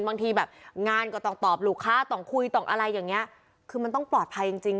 บางทีแบบงานก็ต้องตอบลูกค้าต้องคุยต้องอะไรอย่างเงี้ยคือมันต้องปลอดภัยจริงจริง